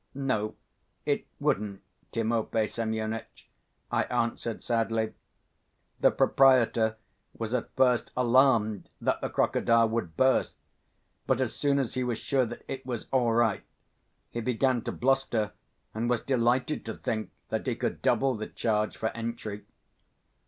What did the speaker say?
"No, it wouldn't, Timofey Semyonitch," I answered sadly. "The proprietor was at first alarmed that the crocodile would burst, but as soon as he was sure that it was all right, he began to bluster and was delighted to think that he could double the charge for entry."